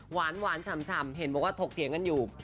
หวานฉ่ำเห็นบอกว่าถกเถียงกันอยู่